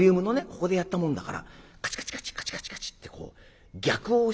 ここでやったもんだからカチカチカチカチカチカチッてこう逆を押したんだね。